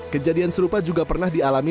kejadian serupa juga pernah dialami